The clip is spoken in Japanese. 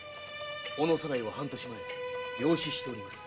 小野左内は半年前病死しております。